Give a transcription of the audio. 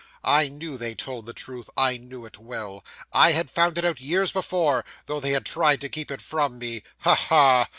I knew they told the truth I knew it well. I had found it out years before, though they had tried to keep it from me. Ha! ha!